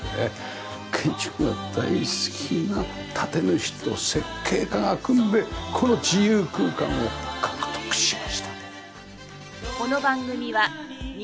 建築が大好きな建主と設計家が組んでこの自由空間を獲得しました。